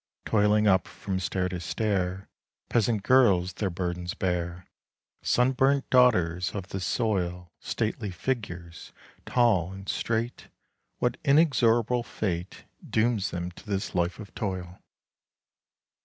Toiling up from stair to stair Peasant girls their burdens bear; Sunburnt daughters of the soil, 20 Stately figures tall and straight, What inexorable fate Dooms them to this life of toil?